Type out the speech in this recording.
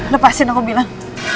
lepasin aku bilang